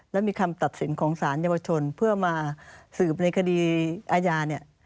และมีคำตัดสินของสารเยาวชนเพื่อมาสืบในคดีอาญาเนี่ย